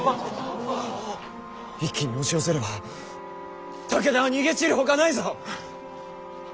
一気に押し寄せれば武田は逃げ散るほかないぞ！